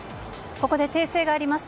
ここで訂正があります。